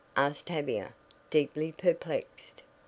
asked Tavia, deeply perplexed.